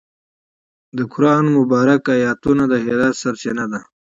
د قرآن مبارکه آیتونه د هدایت سرچینه دي.